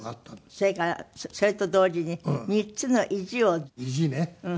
それからそれと同時に３つのイジを。